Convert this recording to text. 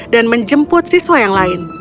dan menjemput siswa yang lain